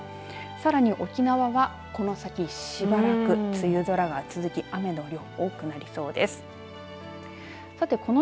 さらに沖縄はこの先しばらく梅雨空が続き雨の量が多くなりそうです。